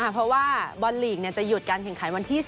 เพราะว่าบอลลีกจะหยุดการแข่งขันวันที่๒